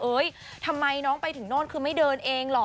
ทำไมน้องไปถึงโน่นคือไม่เดินเองเหรอ